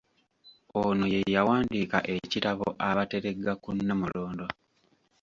Ono ye yawandiika ekitabo “Abateregga ku Nnamulondo῎